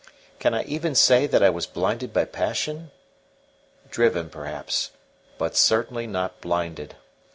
Can I even say that I was blinded by passion? Driven, perhaps, but certainly not blinded.